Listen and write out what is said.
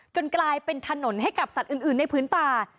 กลายเป็นถนนให้กับสัตว์อื่นในพื้นป่า